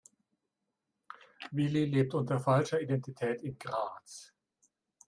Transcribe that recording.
Willi lebt unter falscher Identität in Graz.